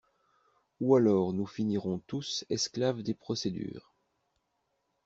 Ou alors nous finirons tous esclaves des procédures.